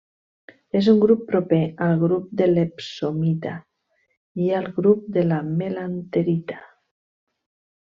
És un grup proper al grup de l'epsomita i al grup de la melanterita.